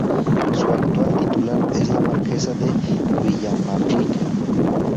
Su actual titular es la marquesa de Villamanrique.